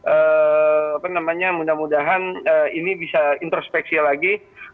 apa namanya mudah mudahan ini bisa introspeksi lagi